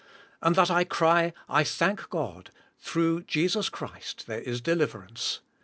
and that I cry, "I thank God, throug h Jesus Christ there is deliverance?"